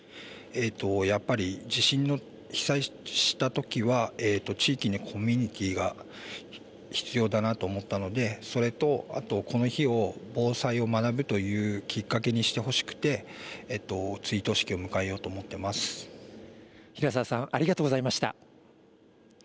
やっぱり地震の、被災したときは、地域にコミュニティーが必要だなと思ったので、それと、あとこの日を、防災を学ぶというきっかけにしてほしくて、追悼式を迎えよ平澤さん、ありがとうございました。